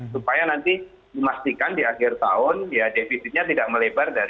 supaya nanti dimastikan di akhir tahun ya defisitnya tidak akan terlalu besar